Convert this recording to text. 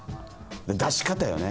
出し方よね。